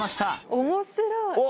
面白い。